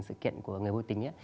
sự kiện của người vô tính